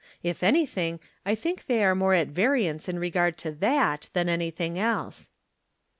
If anything, I think they are more at variance in regard to that than anything else.